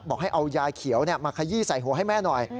บอกให้เอายาเขียวมาขยี้ใส่หัวให้แม่หน่อย